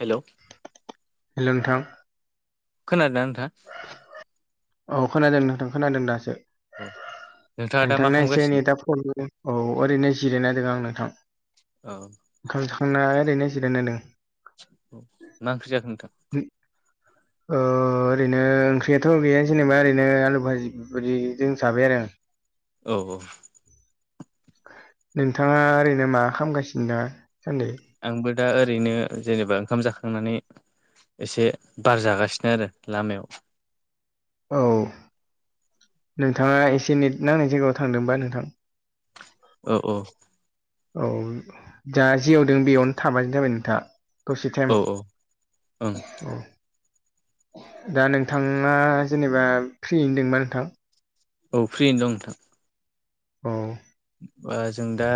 Hello hello नोंथां। खोनादोंना नोंथाङा? औ खोनादों नोंथां खोनादों दासो औ नोंथाङा दा मा नोंथांना एसे खालामगासिनो नेदा फब्लेम औ ओरैनो जिरायनादों आं नोंथां। ओ। खाम जाखांना ओरैनो जिरायना दों। औ, मा ओंख्रि जाखो नोंथां? ओ ओरैनो ओंख्रियाथ' गैया जेनेबा ओरैनो आलु भाजि बेफोर बायदि जों जाबाय आरो आं। औ औ। नोंथाङा ओरैनो मा खामगासिनो दा सान्दै? आंबो दा ओरैनो जेनेबा ओंखाम जाखांनानै एसे बार जागासिनो आरो लामायाव। औ नोंथाङा एसे नेट नांनाय जायगायाव थांदोंबा नोंथां? औ औ। औ दा जिआवदों बेयावनो थाबानो जाबाय नोंथाङा। दसे टाइम औ औ ओं औ। दा नोंथाङा जेनेबा फ्रियैनो दोंबा नोंथां। औ फ्रियनो दं नोंथां। अ जों दा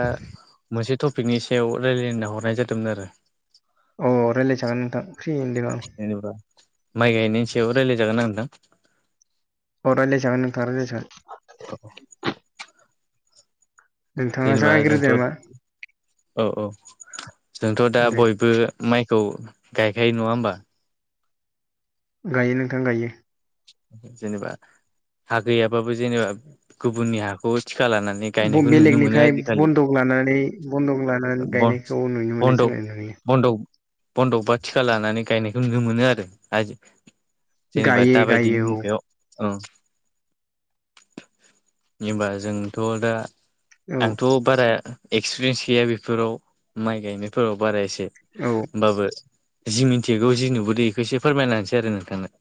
मोनसे टपिकनि सायाव रायलायना हरनाय जादोंमोन आरो। अ रायज्लायखागोन नोंथां फ्रि होनदों आं। ऐ नुब्रा माइ गायनायनि सायाव रायज्लायजागोन नोंथां? अ रायलाय जागोन नोंथां रायलायजागोन। औ नोंथाङा जेनेबा जागायग्रोदो जोंथ' नामा औ औ जोंथ' दा दे बयबो माइखौ गायखायो नङा होमबा? गायो नोंथां गायो। जेनेबा हा गैयाबाबो जेनेबा गुबुननि हाखौ थिखाा लानानै गायनायखौ नुनो मोनो बेलेगनिफ्राय आजिखालि बन्दक लानानै बन्दक लानानै गायनायखौ नुनो मोनो जोङो नुयो। बन्दब बन्दक बा थिखा लानानै गायनायखौ नुनो मोनो आरो। जेनेबा गायो दाबायदि गायो औ हबा जोंथ' दा आंथ' औ बारा एक्सपिरियेन्स गैया बेफोराव माइ गायनायफोराव बारा एसे औ होमबाबो जि मिन्थियगौ जि नुबोदों बेखौ एसे फोरमायनासै आरो नोंथांनो।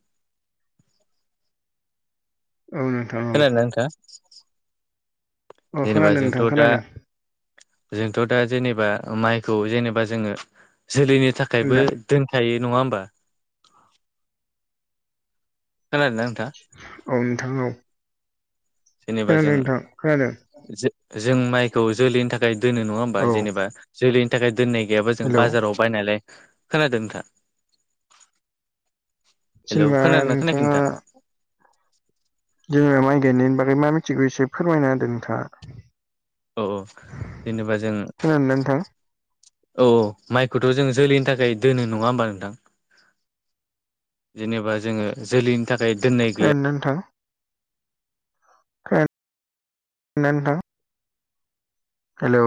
औ नोंथां। औ खोनादों ना नोंथां औ जेनेबा खोनादों जोंथ' नोंथां दा खोनादों जोंथ' दा जेनेबा माइखौ जेनेबा जोङो जोलैनि थाखायबो ना दोनखायो नङा होमबा खोनादोंदा नोंथां? औ नोंथां औ। जेनेबा खोनादों जों नोंथां खोनादों जों माइखौ जोलैनि थाखाय दोनो नङा होमबा औ जेनेबा जोलैनि थाखाय दोननाय गैयाबा जों हेलौ बाजाराव बायनायलाय खोनादों नोंथां। हेल' जेनेबा खोनादोंना खोनायाखै नोंथाङा नोंथा? जेनेबा माइ गायनायनि बागै मा मिथिगौ एसे फोरमायना होदों नोंथाङा। औ औ जेनेबा जों खोनादोंना नोंथां औ माइखौथ' जों जोलैनि थाखाय दोनो नङा होमबा नोंथां? जेनेबा जोङो जोलैनि थाखाय दोननाय गैया खोनादोंना नोंथां खा- ना - दोना नोंथां? हेलौ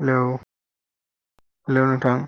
हेलौ हेलौ नोंथां।